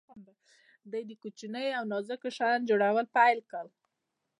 دوی د کوچنیو او نازکو شیانو جوړول پیل کړل.